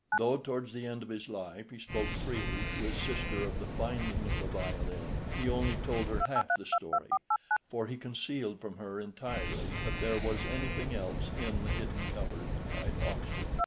Though towards the end of his life he spoke freely to his sister of the finding of the violin, he only told her half the story, for he concealed from her entirely that there was anything else in the hidden cupboard at Oxford.